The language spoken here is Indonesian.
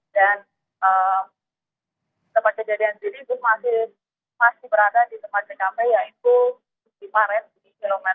dan tempat kejadian ini masih berada di tempat ckp yaitu di paret di kilometer tiga puluh tiga